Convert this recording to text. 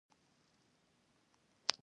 د حلال خواړو رستورانت و.